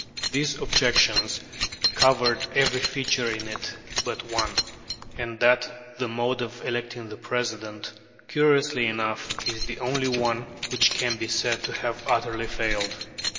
These objections covered every feature in it but one; and that, the mode of electing the President, curiously enough, is the only one which can be said to have utterly failed.